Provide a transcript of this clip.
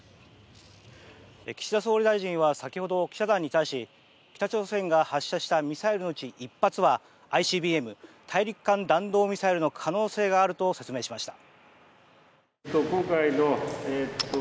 岸田総理大臣は先ほど記者団に対し北朝鮮が発射したミサイルのうち１発はＩＣＢＭ・大陸間弾道ミサイルの可能性があると説明しました。